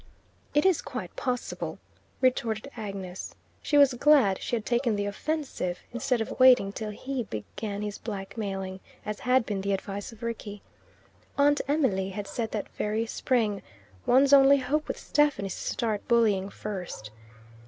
"It is quite possible," retorted Agnes. She was glad she had taken the offensive, instead of waiting till he began his blackmailing, as had been the advice of Rickie. Aunt Emily had said that very spring, "One's only hope with Stephen is to start bullying first."